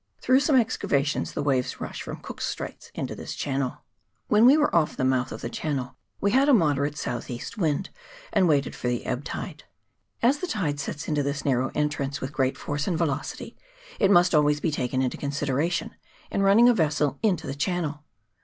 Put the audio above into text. Through some excavations the waves rush from Cook's Straits into this channel. When we were off the mouth of the channel we had a moderate south east wind, and waited for the ebb tide. As the tide sets into this narrow entrance with great force and velocity, it must always be taken into consideration in running a vessel into the chan nel.